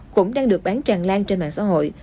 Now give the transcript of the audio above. cũng đang được bán tràn lan trên mạng xã hội